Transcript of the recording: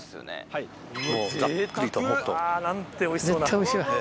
・はい・なんておいしそうな。